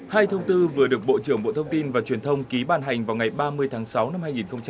hai thông tư vừa được bộ trưởng bộ thông tin và truyền thông ký bàn hành vào ngày ba mươi tháng sáu năm hai nghìn hai mươi ba